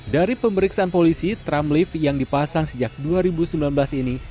dari pemeriksaan polisi tram lift yang dipasang sejak dua ribu sembilan belas ini